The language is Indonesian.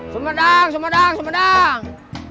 semedang semedang semedang